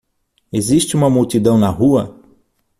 Existe uma multidão na rua?